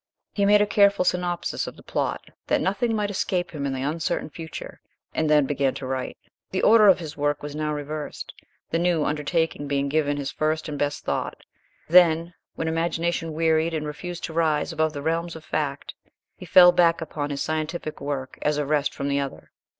He made a careful synopsis of the plot that nothing might escape him in the uncertain future, and then began to write. The order of his work was now reversed, the new undertaking being given his first and best thought; then, when imagination wearied and refused to rise above the realms of fact, he fell back upon his scientific work as a rest from the other.